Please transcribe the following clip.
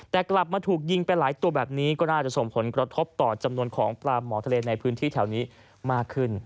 แต่กลับมาถูกยิงไปหลายตัวแบบนี้ก็น่าจะส่งผลกระทบต่อจำนวนของปลาหมอทะเลในพื้นที่แถวนี้มากขึ้น